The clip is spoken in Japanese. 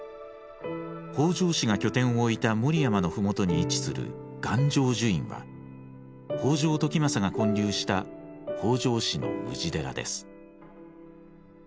北条氏が拠点を置いた守山の麓に位置する願成就院は北条時政が建立した北条氏の氏寺です。